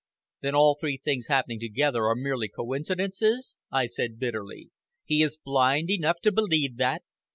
"Then all three things happening together are merely coincidences?" I said bitterly. "He is blind enough to believe that?"